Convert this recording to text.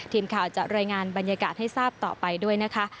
ทีมข่าวจะรายงานบรรยากาศให้ทราบต่อไปด้วยนะคะ